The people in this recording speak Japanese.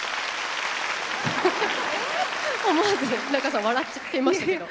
思わず仲さん笑っちゃっていましたけど。